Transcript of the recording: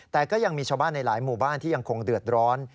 แต่ก็ยังมีชาวบ้านในหลายหมู่บ้านที่ยังคงเดือดร้อน